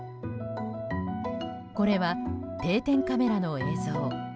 これは定点カメラの映像。